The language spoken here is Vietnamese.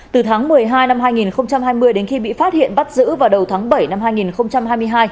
từ tháng một mươi hai năm hai nghìn hai mươi đến khi bị phát hiện bắt giữ vào đầu tháng bảy năm hai nghìn hai mươi hai